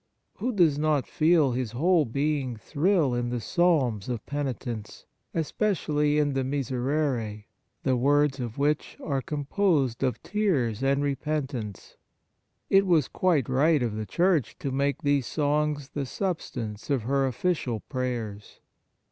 Who does not feel his whole being thrill in the Psalms of penitence, especially in the Miserere, the words of which are composed of tears and repentance ? It was 34 Vocal Prayers quite right of the Church to make these songs the substance of her official prayers.